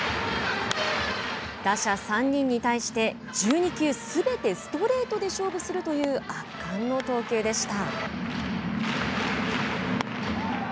打者３人に対して１２球すべてストレートで勝負するという圧巻の投球でした。